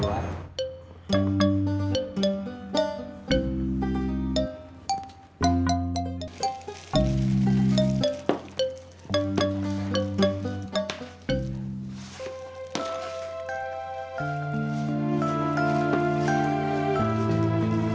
semoga kau tetap maju